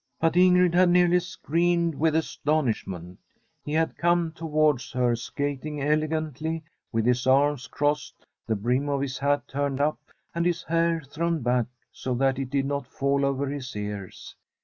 But Ingrid had nearly screamed with astonish ment. He had come towards her skating ele gantly, with his arms crossed, the brim of his hat turned up, and his hair thrown back, so that it did not fall over his ears.